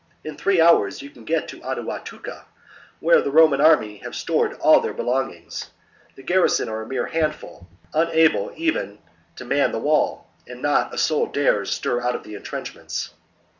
In three hours you can get to Aduatuca, where the Roman army have stored all their belongings : the garrison are a mere handful, unable even to man the wall, and not a soul dares stir out of the entrenchments."